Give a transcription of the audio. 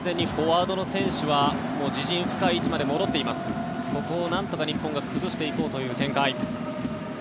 完全にフォワードの選手は自陣の深い位置まで戻っていますが日本がなんとか崩していこうという展開。